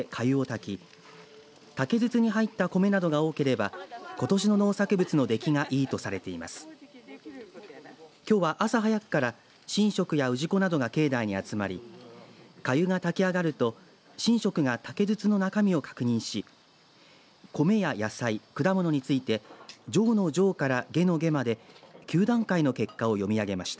きょうは朝早くから神職や氏子などが境内に集まりかゆが炊き上がると神職が竹筒の中身を確認し米や野菜、果物について上の上から下の下まで９段階の結果を読み上げました。